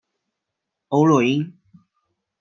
欧络因。